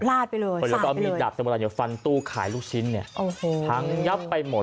แล้วก็เอามีดดาบสมุลัยอยู่ฟันตู้ขายลูกชิ้นเนี่ยทั้งยับไปหมด